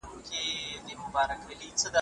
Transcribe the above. که هڅه ونه کړې، نو هیڅکله به بریا تر لاسه نه کړې.